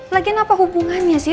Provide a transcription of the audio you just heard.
lagian apa hubungannya sih